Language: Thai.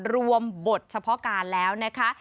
รวมบทเฉพาะการแล้วนะคะ